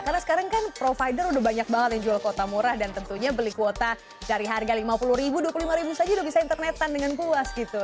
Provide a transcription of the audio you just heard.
karena sekarang kan provider udah banyak banget yang jual kuota murah dan tentunya beli kuota dari harga rp lima puluh rp dua puluh lima saja udah bisa internetan dengan puas gitu